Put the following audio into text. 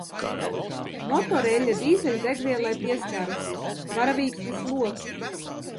Motoreļļa dīzeļdegvielai pieskārusies. Varavīksnes loki.